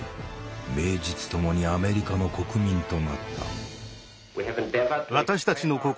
名実ともにアメリカの国民となった。